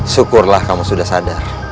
syukurlah kamu sudah sadar